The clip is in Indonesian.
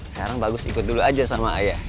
sekarang bagus ikut dulu aja sama ayah